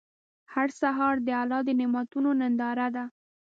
هر سهار د الله د نعمتونو ننداره ده.